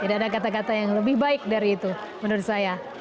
tidak ada kata kata yang lebih baik dari itu menurut saya